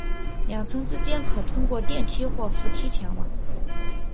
两层之间可通过电梯或扶梯前往。